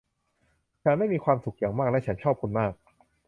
ฉันไม่มีความสุขอย่างมากและฉันชอบคุณมาก